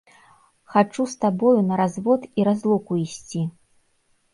Хачу з табою на развод і разлуку ісці!